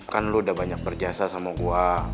kan lo udah banyak berjasa sama gue